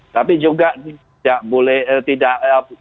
tapi juga tidak boleh tidak